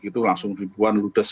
itu langsung ribuan ludas